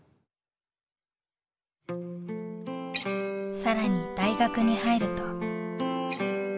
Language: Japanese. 更に大学に入ると。